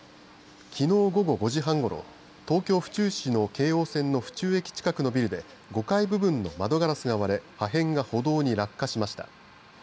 きのう午後５時半ごろ東京、府中市の京王線の府中駅近くのビルで５階部分の窓ガラスが割れ破片が歩道に落下しました。